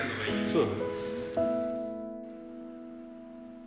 そう。